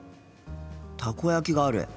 たこ焼きがある。